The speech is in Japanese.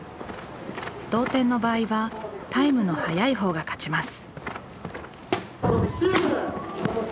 同点の場合はタイムの速いほうが勝ちます。